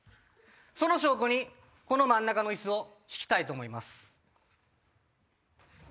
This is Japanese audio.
その証拠にこの真ん中の椅子を引きたいと思います。